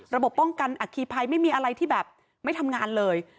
ป้องกันอัคคีภัยไม่มีอะไรที่แบบไม่ทำงานเลย